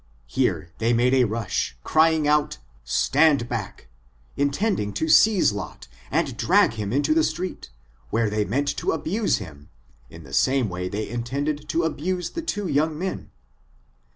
Here they made a rush, cryiug out, stand back^ in ^ tending to seize Lot, and to drag him into the street, where they meant to abuse him, in the same way they intended to abuse the two young men.